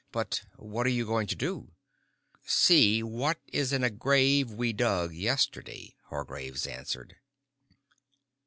"But what are you going to do?" "See what is in a grave we dug yesterday," Hargraves answered.